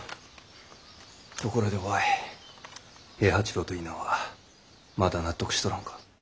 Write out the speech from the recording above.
ところで於愛平八郎と稲はまだ納得しとらんか？